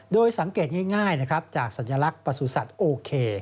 โดยสังเกตง่ายนะครับจากสัญลักษณ์ประสุทธิ์โอเค